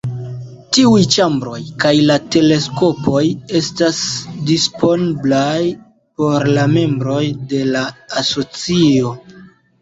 Tiuj ĉambroj kaj la teleskopoj estas disponblaj por la membroj de la asocio.